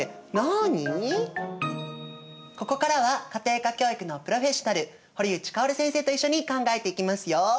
ここからは家庭科教育のプロフェッショナル堀内かおる先生と一緒に考えていきますよ。